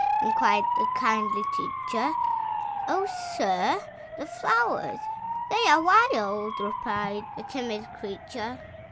'* inquired the kindly teacher. 0, sir! theflowersy they are wild J' replied the timid creature.